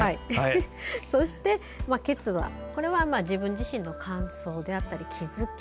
そして「結」は自分自身の感想であったり気付き。